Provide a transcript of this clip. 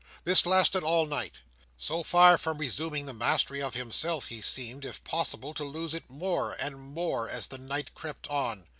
This lasted all night. So far from resuming the mastery of himself, he seemed, if possible, to lose it more and more, as the night crept on.